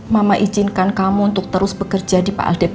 mama izinkan kamu untuk terus bekerja di pak aldebaran